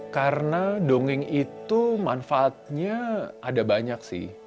karena dongeng itu manfaatnya ada banyak sih